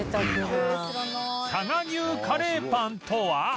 佐賀牛カレーパンとは？